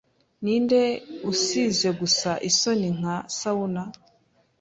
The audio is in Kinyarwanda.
Ninde usize gusa isoni nka sauna